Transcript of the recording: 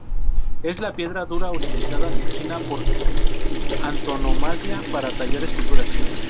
Es la piedra dura utilizada en China por antonomasia para tallar esculturas.